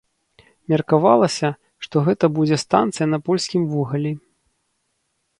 Меркавалася, што гэта будзе станцыя на польскім вугалі.